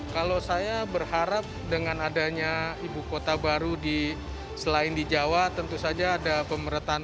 kalau saya berharap dengan adanya ibu kota baru selain di jawa tentu saja ada pemerintahan